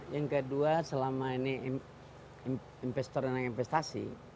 yang kedua selama ini investor dan investasi